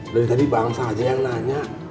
dari tadi bang saja yang nanya